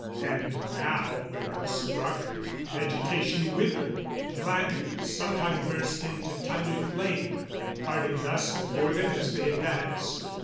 And now where it struck, the vegetation withered. Blackened, sometimes burst into tiny flame, and parted thus before them as they advanced.